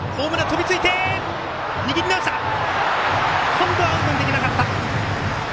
今度はアウトにできなかった。